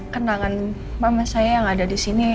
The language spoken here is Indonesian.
kenangan mama saya yang ada disini